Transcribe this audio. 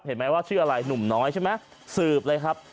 เห็นไหมว่าชื่ออะไรหนุ่มน้อยใช่ไหมสืบเลยครับ